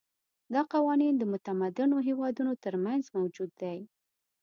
دا قوانین د متمدنو هېوادونو ترمنځ موجود دي.